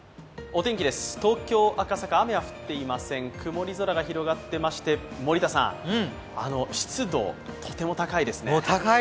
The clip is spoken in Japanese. お天気です、東京・赤坂雨は降っていません曇り空が広がってまして、森田さん湿度、とても高いですね。